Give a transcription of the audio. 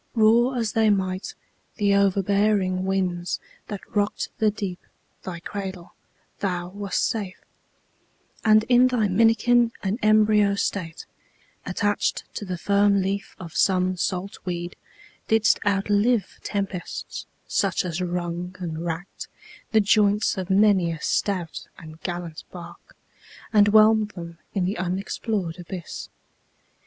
Roar as they might, the overbearing winds That rock'd the deep, thy cradle, thou wast safe And in thy minikin and embryo state, Attach'd to the firm leaf of some salt weed, Didst outlive tempests, such as wrung and rack'd The joints of many a stout and gallant bark, And whelm'd them in the unexplor'd abyss.